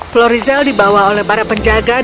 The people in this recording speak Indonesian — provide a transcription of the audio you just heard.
flory zell dibawa oleh para penjagaan raja arnold